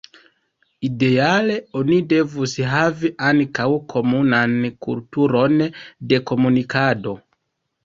Ideale oni devus havi ankaŭ komunan kulturon de komunikado.